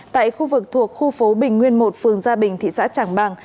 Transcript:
tại khu vực thuộc khu phố bình nguyên một phường gia bình thị xã trảng bàng